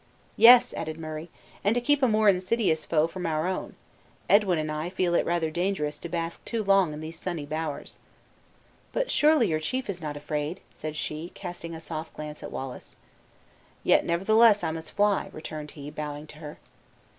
"Yes," added Murray, "and to keep a more insidious foe from our own! Edwin and I feel it rather dangerous to bask too long in these sunny bowers." "But surely your chief is not afraid," said she, casting a soft glance at Wallace. "Yet, nevertheless, I must fly," returned he, bowing to her.